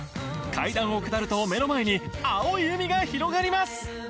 階段を下ると目の前に青い海が広がります